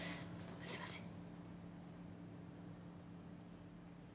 すいません。